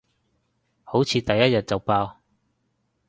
好似第一日就爆